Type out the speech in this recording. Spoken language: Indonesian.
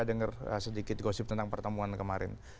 jadi saya pikir saya juga dengar sedikit gosip tentang pertemuan kemarin